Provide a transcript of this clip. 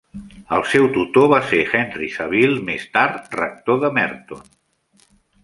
El seu tutor va ser Henry Saville, més tard rector de Merton.